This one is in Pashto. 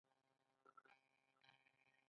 د فلزاتو ویلې کول دود و